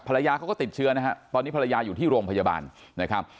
ภรรยาเขาก็ติดเชื้อนะฮะตอนนี้ภรรยาอยู่ที่โรงพยาบาลนะครับ